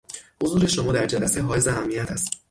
حضور شما در جلسه حائز اهمیت است.